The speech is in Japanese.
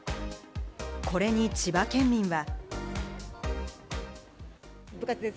これに千葉県は。